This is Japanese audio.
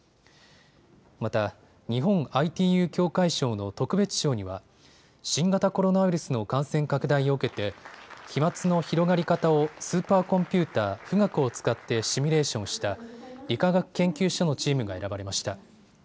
また、日本ＩＴＵ協会賞の特別賞には新型コロナウイルスの感染拡大を受けて飛まつの広がり方をスーパーコンピューター富岳を使ってシミュレーションした理化学研究所のチームが選ばれました。